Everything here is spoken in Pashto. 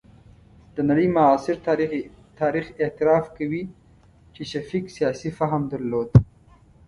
د نړۍ معاصر تاریخ اعتراف کوي چې شفیق سیاسي فهم درلود.